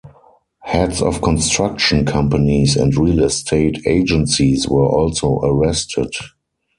Heads of construction companies and real estate agencies were also arrested.